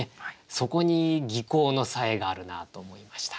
そこに技巧のさえがあるなと思いました。